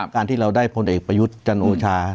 การที่เราได้พลเอกประยุทธ์จันโอชา